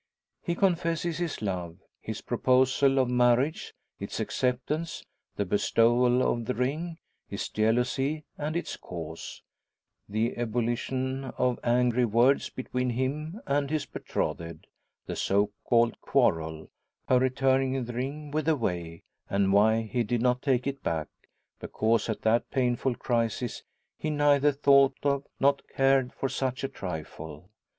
He confesses his love his proposal of marriage its acceptance the bestowal of the ring his jealousy and its cause the ebullition of angry words between him and his betrothed the so called quarrel her returning the ring, with the way, and why he did not take it back because at that painful crisis be neither thought of nor cared for such a trifle.